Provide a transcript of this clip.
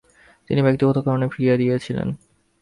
তিনি ব্যক্তিগত কারণে ফিরিয়ে দিয়েছিলেন।